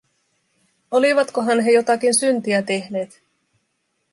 Olivatkohan he jotakin syntiä tehneet?